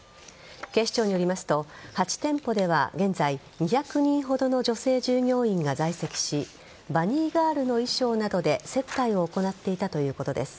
警視庁によりますと８店舗では現在２００人ほどの女性従業員が在籍しバニーガールの衣装などで接待を行っていたということです。